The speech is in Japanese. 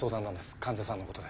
患者さんの事で。